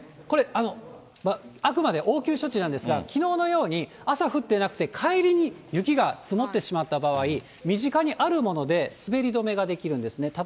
これ、あくまで応急措置なんですが、きのうのように朝降ってなくて、帰りに雪が積もってしまった場合、身近にあるもので滑り止めができるんですね。